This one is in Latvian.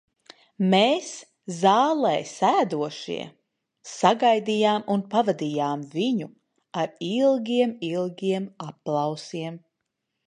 Mēs, zālē sēdošie, sagaidījām un pavadījām viņu ar ilgiem, ilgiem aplausiem.